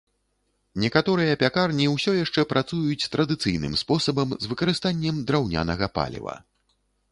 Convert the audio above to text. Некаторыя пякарні ўсё яшчэ працуюць традыцыйным спосабам з выкарыстаннем драўнянага паліва.